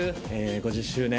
５０周年